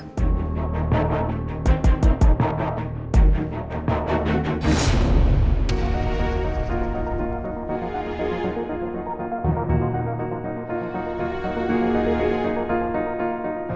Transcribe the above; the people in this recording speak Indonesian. saya akan usahakan semaksimal mungkin